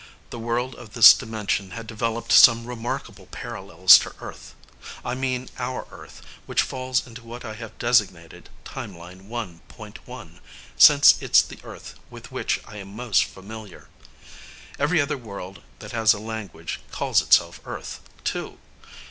The world of this dimension had developed some remarkable parallels to Earth. I mean our Earth, which falls into what I have designated Timeline One Point One, since it's the Earth with which I am most familiar. Every other world that has a language calls itself Earth, too.